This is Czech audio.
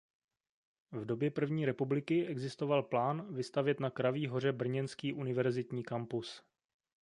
V době první republiky existoval plán vystavět na Kraví hoře brněnský univerzitní kampus.